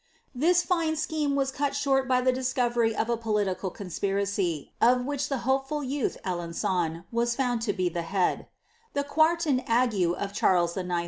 This fine scheme was cut short by the discovery of a pol Spiracy, of which the hopeful youth Alenyun was found lo bi The quartan ague of Charles IX.